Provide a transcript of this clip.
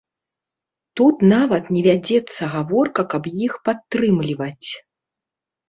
Тут нават не вядзецца гаворка, каб іх падтрымліваць.